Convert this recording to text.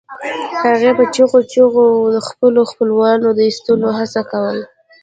هغې په چیغو چیغو د خپلو خپلوانو د ایستلو هڅه کوله